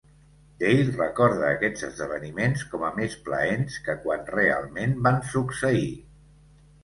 Dale recorda aquests esdeveniments com a més plaents que quan realment van succeir.